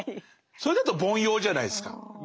それだと凡庸じゃないですか。